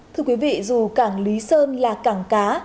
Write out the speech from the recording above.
thưa quý vị dù cảng lý sơn là cảng cá